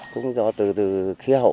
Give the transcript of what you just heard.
cũng do từ khí hậu